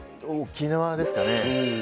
沖縄ですかね。